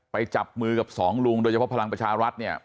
จับมือกับสองลุงโดยเฉพาะพลังประชารัฐเนี่ย